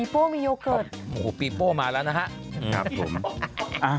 ผมของปิโป๋มาแล้วนะค่ะ